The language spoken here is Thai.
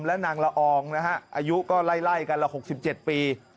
และนางละอองนะฮะอายุก็ไล่กันละ๖๗ปี